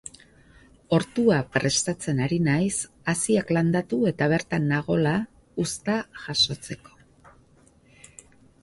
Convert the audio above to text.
Ortua prestatzen ari naiz, haziak landatu eta bertan nagoela, uzta jasotzeko.